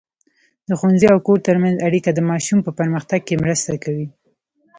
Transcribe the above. د ښوونځي او کور ترمنځ اړیکه د ماشوم په پرمختګ کې مرسته کوي.